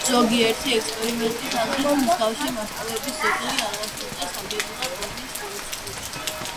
ზოგიერთი ექსპერტის აზრით მსგავსი მასშტაბის ძეგლი არასოდეს აგებულა დონის როსტოვში.